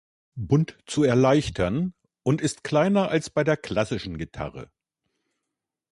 Bund zu erleichtern, und ist kleiner als bei der klassischen Gitarre.